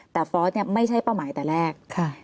แต่ฟอร์สไม่ใช่เป้าหมายแต่แรก